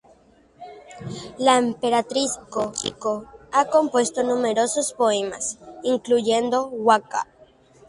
La emperatriz Michiko ha compuesto numerosos poemas, incluyendo waka.